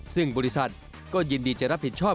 ซึ่งบริษัทก็ยินดีจะรับผิดชอบ